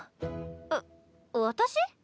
えっ私？